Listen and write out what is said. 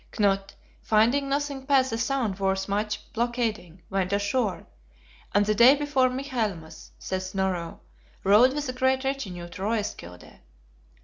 Knut, finding nothing pass the Sound worth much blockading, went ashore; "and the day before Michaelmas," says Snorro, "rode with a great retinue to Roeskilde."